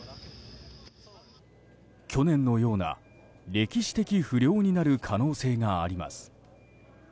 去年のような歴史的不漁になる可能性があります。